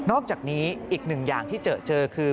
อกจากนี้อีกหนึ่งอย่างที่เจอเจอคือ